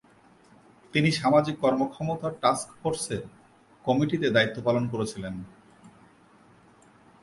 তিনি সামাজিক কর্মক্ষমতা টাস্ক ফোর্সের কমিটিতে দায়িত্ব পালন করেছিলেন।